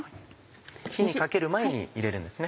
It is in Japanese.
火にかける前に入れるんですね。